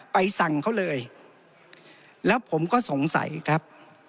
ไปสั่งเขาเลยแล้วผมก็สงสัยครับ